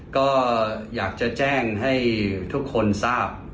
ก็อยากจะแจ้งให้ทุกคนทราบ